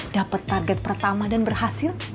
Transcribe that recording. dapat target pertama dan berhasil